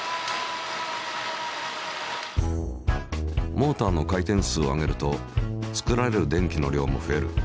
モーターの回転数を上げると作られる電気の量も増える。